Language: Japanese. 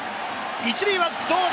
１塁はどうだ？